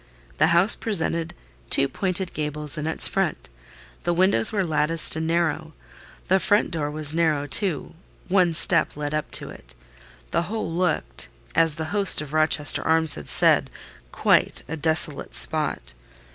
The house presented two pointed gables in its front; the windows were latticed and narrow: the front door was narrow too, one step led up to it. The whole looked, as the host of the Rochester Arms had said, "quite a desolate spot."